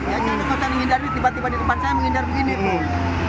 ya jadi soalnya menghindari tiba tiba di depan saya menghindari begini tuh